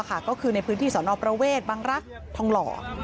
ก็คือในพื้นที่สนประเวทบังรักษ์ทองหล่อ